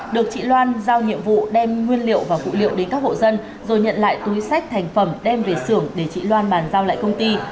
được chị loan giao nhiệm vụ đem nguyên liệu và phụ liệu đến các hộ dân rồi nhận lại túi sách thành phẩm đem về xưởng để chị loan bàn giao lại công ty